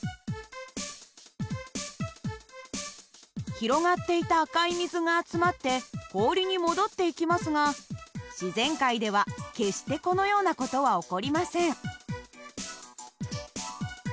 広がっていた赤い水が集まって氷に戻っていきますが自然界では決してこのような事は起こりません。